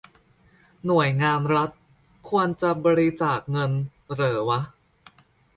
หน่วยงานรัฐ ควรจะบริจาคเงินเหรอวะ ?